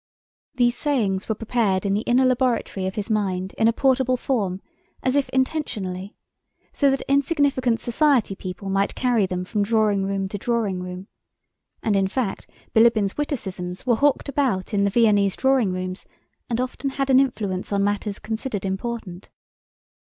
These sayings were prepared in the inner laboratory of his mind in a portable form as if intentionally, so that insignificant society people might carry them from drawing room to drawing room. And, in fact, Bilíbin's witticisms were hawked about in the Viennese drawing rooms and often had an influence on matters considered important.